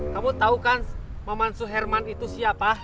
kamu tau kan mamansuh herman itu siapa